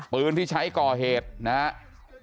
ปืนที่ใช้ก่อเหตุนะครับ